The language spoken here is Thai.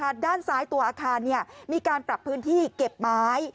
สอบแล้วนะฮะด้านซ้ายตัวอาคารมีการปรับพื้นที่เก็บไม้